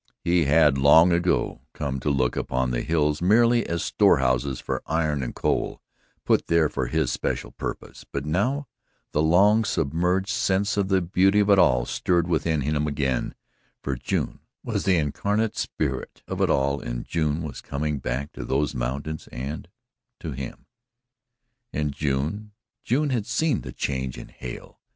He had long ago come to look upon the hills merely as storehouses for iron and coal, put there for his special purpose, but now the long submerged sense of the beauty of it all stirred within him again, for June was the incarnate spirit of it all and June was coming back to those mountains and to him. And June June had seen the change in Hale.